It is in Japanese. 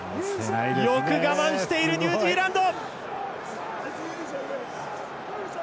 よく我慢しているニュージーランド！